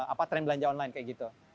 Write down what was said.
apa tren belanja online kayak gitu